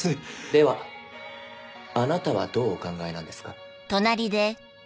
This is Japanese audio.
ではあなたはどうお考えなんですか？